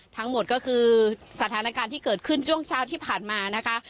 ทั้งหมดก็คือสถานการณ์ที่เกิดขึ้นช่วงเช้าที่ผ่านมานะคะ